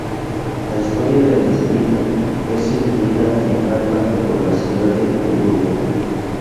La historia del distrito es influida en gran parte por la ciudad de Coburgo.